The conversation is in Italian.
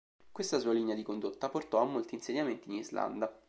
Questa sua linea di condotta portò a molti insediamenti in Islanda.